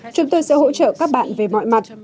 chúng tôi sẽ hỗ trợ các bạn về mọi mặt